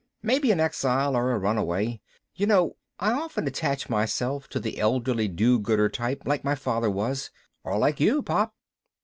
Maybe an exile or a runaway. You know, I often attach myself to the elderly do gooder type like my father was. Or like you, Pop."